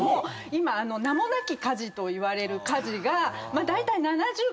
今名もなき家事といわれる家事がまあだいたい。